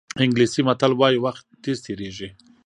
انګلیسي متل وایي وخت تېز تېرېږي.